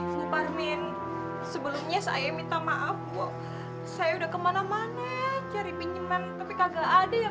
dupamin sebelumnya saya minta maaf pokok saya udah kemana mana cari pinjeman tapi enggak ada yang